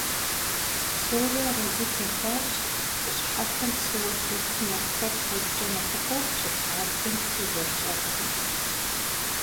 Псори арэзы техъуащ, ЩӀы щхьэфэм псыуэ тетым нэхърэ куэдкӀэ нэхъыбэу щӀы лъабжьэм псы зэрыщӀэтым.